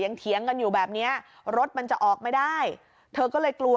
เถียงกันอยู่แบบเนี้ยรถมันจะออกไม่ได้เธอก็เลยกลัว